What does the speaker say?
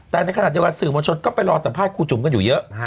แต่ในขณะเดียวกันสื่อมวลชนก็ไปรอสัมภาษณ์ครูจุ๋มกันอยู่เยอะ